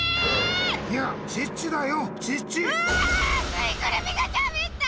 ぬいぐるみがしゃべった！